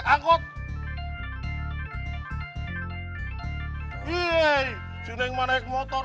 makanya kita tidak menjemput